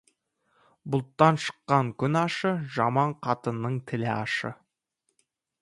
Бұлттан шыққан күн ащы, жаман қатынның тілі ащы.